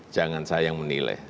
jangan saya yang menilai